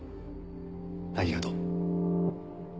ありがとう。